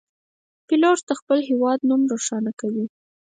پیلوټ د خپل هیواد نوم روښانه کوي.